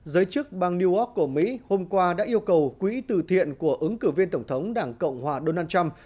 giới chức bang new york của mỹ hôm qua đã yêu cầu quỹ từ thiện của ứng cử viên tổng thống đảng cộng hòa donald trump